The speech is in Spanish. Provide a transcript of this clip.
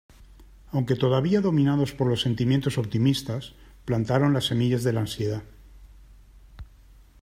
Aunque todavía dominados por los sentimientos optimistas, plantaron las semillas de la ansiedad.